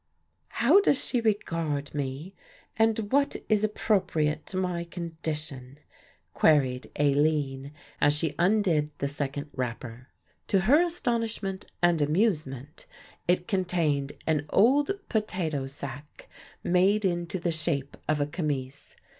"How does she regard me and what is appropriate to my condition?" queried Aline as she undid the second wrapper. To her astonishment and amusement it contained an old potato sack made into the shape of a camise.